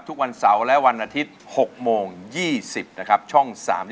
ทุกวันเสาร์และวันอาทิตย์๘๒๐นช่อง๓๒